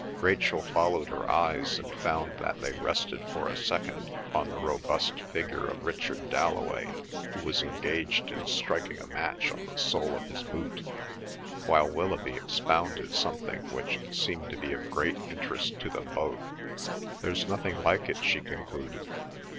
Rachel followed her eyes and found that they rested for a second, on the robust figure of Richard Dalloway, who was engaged in striking a match on the sole of his boot; while Willoughby expounded something, which seemed to be of great interest to them both. "There's nothing like it," she concluded.